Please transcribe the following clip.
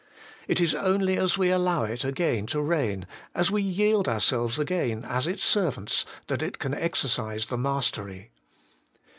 It is only as we allow it again to reign, as we yield ourselves again as its servants, that it can exercise the mastery.